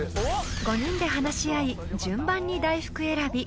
［５人で話し合い順番に大福選び］